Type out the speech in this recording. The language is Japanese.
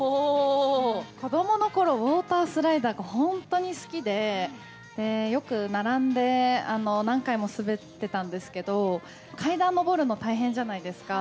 子どものころ、ウォータースライダーが本当に好きで、よく並んで、何回も滑ってたんですけど、階段上るの大変じゃないですか。